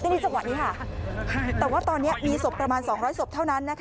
เจดในจังหวะนี้แต่ว่าตอนนี้มีศพประมาณ๒๐๐ศพเท่านั้น